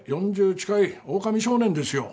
４０近い狼少年ですよ。